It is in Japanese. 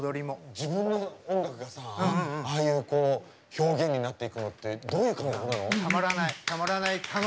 自分の音楽がさああいう表現になっていくのってどういう感覚なの？